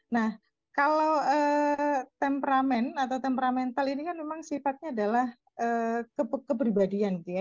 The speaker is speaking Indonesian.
nah kalau temperamen atau temperamental ini kan memang sifatnya adalah kepribadian gitu ya